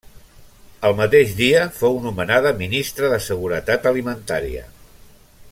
El mateix dia fou nomenada Ministra de Seguretat Alimentària.